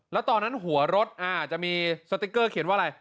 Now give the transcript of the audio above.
แล้วตอนนั้นหัวรถจะมีสติ๊กเกอร์เขียนว่าอะไร